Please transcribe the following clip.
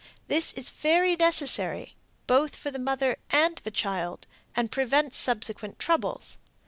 This is very necessary, both for the mother and the child, and prevents subsequent troubles.